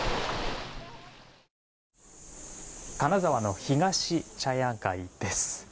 金沢のひがし茶屋街です。